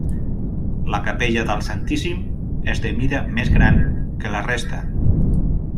La capella del Santíssim és de mida més gran que la resta.